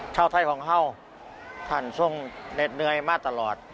เช่าไทยของเห้าท่านซ่งเนตเนยมาตลอด